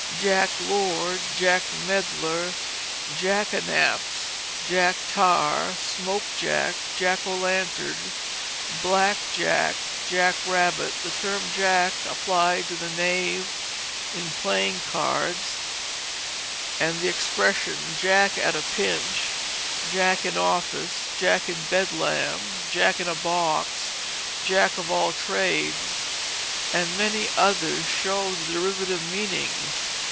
Jack lord, jack meddler, jackanapes, Jack Tar, smoke jack, jack o' lantern, black jack, jack rabbit, the term jack applied to the knave in playing cards, and the expressions jack at a pinch, jack in office, jack in bedlam, jack in a box, jack of all trades, and many others show the derivative meaning.